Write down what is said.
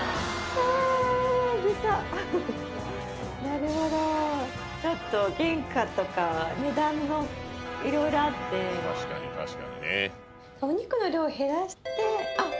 なるほどちょっと原価とかは値段のいろいろあってお肉の量減らしてあっ！